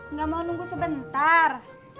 nggak mau nunggu sebentar